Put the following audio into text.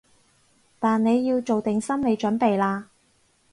但你要做定心理準備喇